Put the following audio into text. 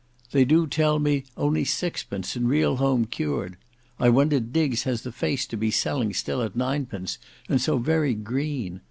They do tell me only sixpence and real home cured. I wonder Diggs has the face to be selling still at nine pence, and so very green!